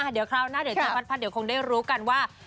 เดี๋ยวคราวหน้าเดี๋ยวจะพัดเดี๋ยวคงได้รู้กันว่า